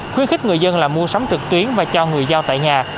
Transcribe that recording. khuyến khích người dân là mua sắm trực tuyến và cho người giao tại nhà